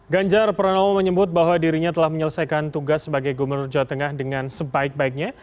ganjar pranowo menyebut bahwa dirinya telah menyelesaikan tugas sebagai gubernur jawa tengah dengan sebaik baiknya